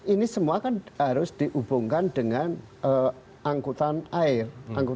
ini semua kan harus dihubungkan dengan angkutan air